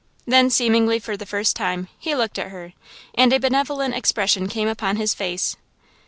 Then, seemingly for the first time, he looked at her, and a benevolent expression came upon his face.